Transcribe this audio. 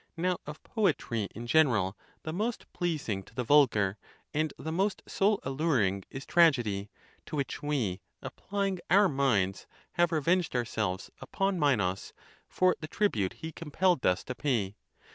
[17.| Now, of poetry (in general), the most pleasing to the vulgar and the most soul alluring is tragedy; to which we, applying our minds,? have revenged ourselves upon Minos, for the tribute he com pelled us to pay.